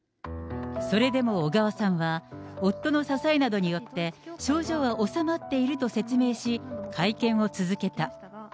それでも小川さんは、夫の支えなどによって、症状は治まっていると説明し、会見を続けた。